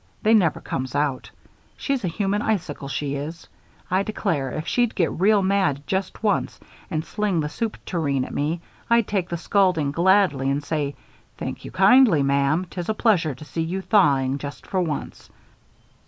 They never comes out. She's a human icicle, she is. I declare, if she'd get real mad just once and sling the soup tureen at me, I'd take the scalding gladly and say, 'Thank you kindly, ma'am; 'tis a pleasure to see you thawing, just for once.'"